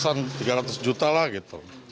tiga ratus tiga ratus an tiga ratus juta lah gitu